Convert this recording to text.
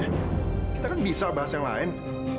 kita kan bisa bahas yang lain